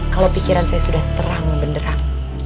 kalo pikiran saya sudah terang beneran